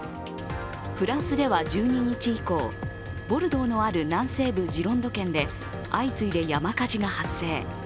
フランスでは１２日以降、ボルドーのある南西部ジロンド県で相次いで山火事が発生。